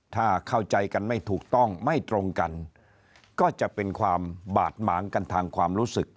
ถ้าเข้าใจกันไม่ถูกต้องไม่ตรงกันก็จะเป็นความบาดหมางกันทางความรู้สึก